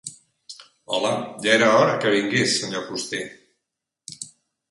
Hola, ja era hora que vingués, senyor fuster.